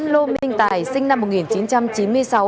lô minh tài sinh năm một nghìn chín trăm chín mươi sáu